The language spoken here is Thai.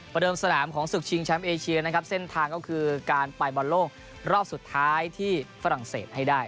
เดิมสนามของศึกชิงแชมป์เอเชียนะครับเส้นทางก็คือการไปบอลโลกรอบสุดท้ายที่ฝรั่งเศสให้ได้